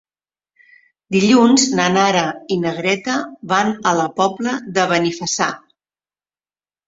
Dilluns na Nara i na Greta van a la Pobla de Benifassà.